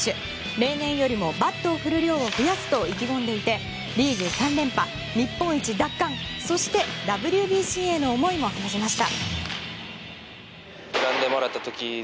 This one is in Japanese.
例年よりもバットを振る量を増やすと意気込んでいてリーグ３連覇、日本一奪還そしてＷＢＣへの思いも話しました。